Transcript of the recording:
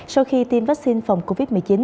sau khi tiêm vaccine phòng covid một mươi chín